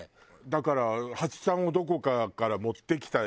だからハチさんをどこかから持ってきて。